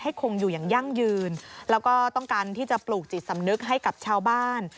คงอยู่อย่างยั่งยืนแล้วก็ต้องการที่จะปลูกจิตสำนึกให้กับชาวบ้าน